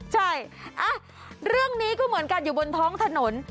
ใช่เรื่องนี้ก็เหมือนกันอยู่บนท้องถนน